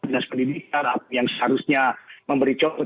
dinas pendidikan yang seharusnya memberi contoh